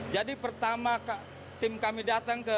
jadi pertama tim kami datang ke tkp